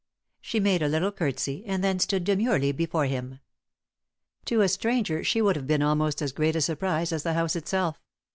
She made a little curtsey, and then stood demurely before him. To a stranger she would have been almost a great a surprise as the house itself.